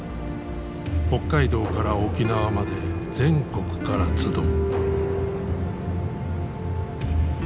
北海道から沖縄まで全国から集う。